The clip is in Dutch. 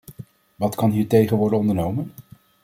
Wat kan hiertegen worden ondernomen?